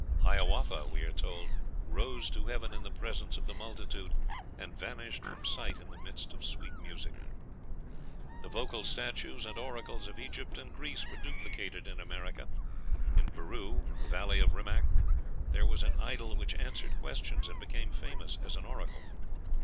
Hiawatha, we are told, rose to heaven in the presence of the multitude, and vanished from sight in the midst of sweet music. The vocal statues and oracles of Egypt and Greece were duplicated in America. In Peru, in the valley of Rimac, there was an idol which answered questions and became famous as an oracle.